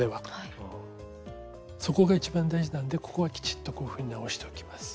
底が一番大事なんでここはきちっとこういうふうに直しておきます。